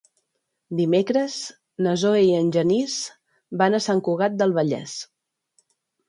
Dimecres na Zoè i en Genís van a Sant Cugat del Vallès.